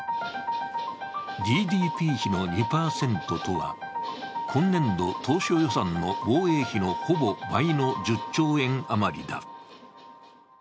ＧＤＰ比の２％とは、今年度当初予算の防衛費のほぼ倍の１０兆円余りだ。